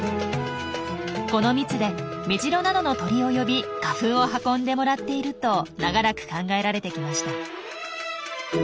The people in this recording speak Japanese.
この蜜でメジロなどの鳥を呼び花粉を運んでもらっていると長らく考えられてきました。